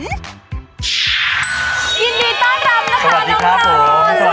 ยินดีต้อนรับนะคะน้องนอน